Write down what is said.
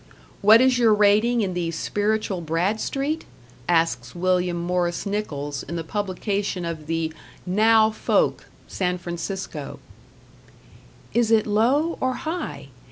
"What is your rating in the Spiritual Bradstreet?" asks William Morris Nichols in the publication of the "'Now' Folk", San Francisco: Is it low or high?